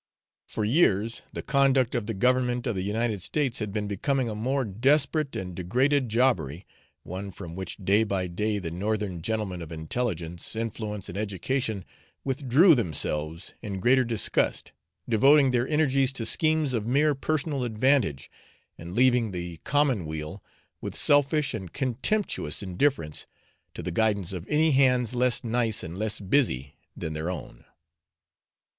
For years the conduct of the government of the United States had been becoming a more desperate and degraded jobbery, one from which day by day the Northern gentlemen of intelligence, influence, and education withdrew themselves in greater disgust, devoting their energies to schemes of mere personal advantage, and leaving the commonweal with selfish and contemptuous indifference to the guidance of any hands less nice and less busy than their own.